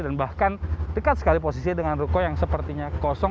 dan bahkan dekat sekali posisi dengan ruko yang sepertinya kosong